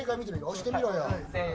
押してみろよ。